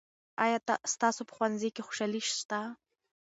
آیا ستاسو په ښوونځي کې خوشالي سته؟